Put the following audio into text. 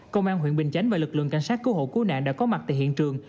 công an huyện bình chánh và lực lượng cảnh sát cứu hộ cứu nạn đã có mặt tại hiện trường